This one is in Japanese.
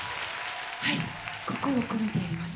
はい心込めてやります。